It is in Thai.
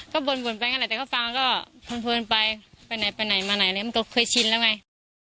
ก็บนบนไปไงละแต่ต้องฟังก็พื้นพื้นไปไปไหนไปไหนมาไหนมันก็เคยชินแล้วไง